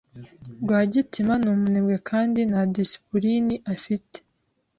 Rwagitima ni umunebwe kandi nta disipulini afite.